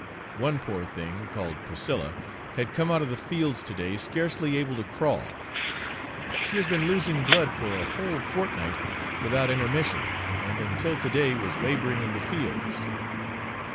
One poor thing, called Priscilla, had come out of the fields to day scarcely able to crawl; she has been losing blood for a whole fortnight without intermission, and, until to day, was labouring in the fields.